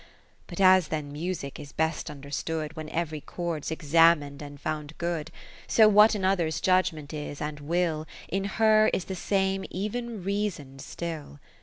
But as then Music is best under stood. When every chord 's examin'd and found good : So what in others Judgement is and Will, In her is the same even Reason still.